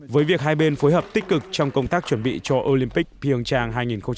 với việc hai bên phối hợp tích cực trong công tác chuẩn bị cho olympic biên trang hai nghìn một mươi tám